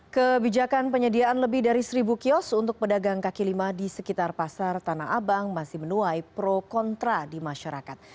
kebijakan penyediaan lebih dari seribu kios untuk pedagang kaki lima di sekitar pasar tanah abang masih menuai pro kontra di masyarakat